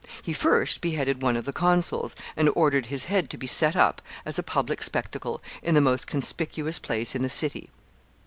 He first beheaded one of the consuls, and ordered his head to be set up, as a public spectacle, in the most conspicuous place in the city.